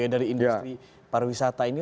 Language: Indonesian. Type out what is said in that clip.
dari industri pariwisata ini